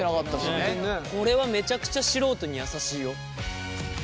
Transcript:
これはめちゃくちゃ素人にやさしいよ。